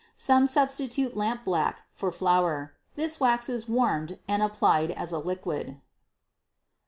Some substitute lampblack for flour. This wax is warmed and applied as a liquid.